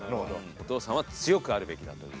お父さんは強くあるべきだという。